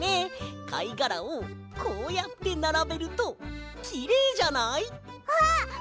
かいがらをこうやってならべるときれいじゃない？あっほんとだ！